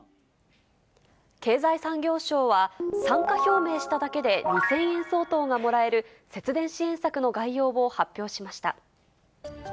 経済産業省は参加表明しただけで２０００円相当がもらえる節電支援策の概要を発表しました。